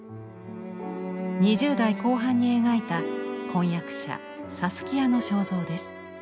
２０代後半に描いた婚約者サスキアの肖像です。